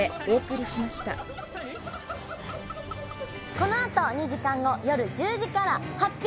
このあと２時間後夜１０時から「発表！